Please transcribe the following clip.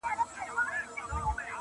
• د زمري او ګیدړانو غوړ ماښام وو -